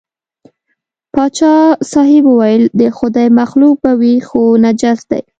پاچا صاحب وویل د خدای مخلوق به وي خو نجس دی.